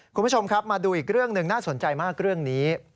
คุณผู้ชมครับมาดูอีกเรื่องหนึ่งน่าสนใจมากเรื่องนี้